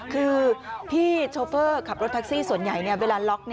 คือพี่โชเฟอร์ขับรถแท็กซี่ส่วนใหญ่เวลาล็อก